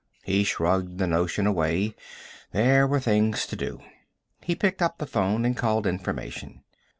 He shrugged the notion away. There were things to do. He picked up the phone and called Information.